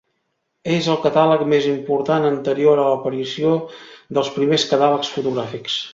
És el catàleg més important anterior a l'aparició dels primers catàlegs fotogràfics.